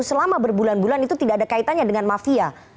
selama berbulan bulan itu tidak ada kaitannya dengan mafia